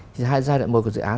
thì giai đoạn một của dự án